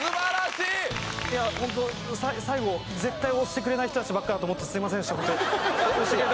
いや最後絶対押してくれない人たちばっかだと思ってすいませんでした